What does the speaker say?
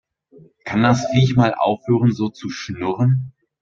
Kann das Viech mal aufhören so zu schnurren?